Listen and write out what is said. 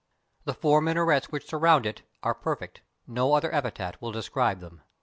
The four minarets which surround it are perfect — no other epithet will describe them.